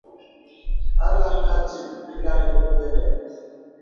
A LAŋ Nə Atīl īlaŋī bə̀mbələ̀.